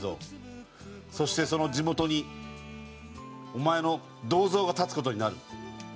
そしてその地元にお前の銅像が建つ事になる。